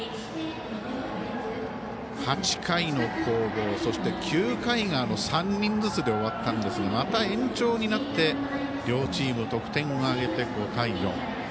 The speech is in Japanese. ８回の攻防、そして９回が３人ずつで終わったんですがまた延長になって両チーム得点を挙げて５対４。